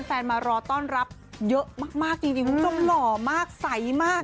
แฟนมารอต้อนรับเยอะมากจริงจงหล่อมากใสมาก